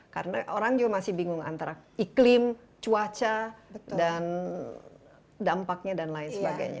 karena orang juga masih bingung antara iklim cuaca dan dampaknya dan lain sebagainya